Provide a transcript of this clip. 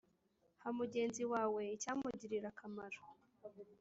ha mugenzi wawe icyamugirira akamaro